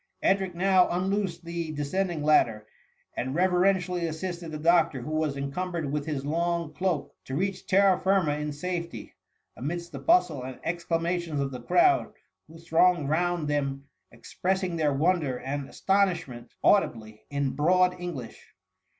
Edric now unloosed the descending ladder, and reverentially assisted the doctor, who was encumbered with his long cloak, to reach terra firma in safety, — amidst the bustle and exclamations of the crowd, who thronged round them expressing their wonder and astonishment audibly, in broad English.